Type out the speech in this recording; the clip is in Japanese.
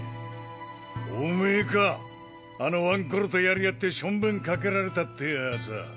おめぇかあのワンコロと殺り合ってしょんべん掛けられたってヤツは。